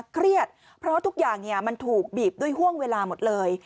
เครียดเพราะทุกอย่างมันถูกบีบด้วยห่วงเวลาหมดเลย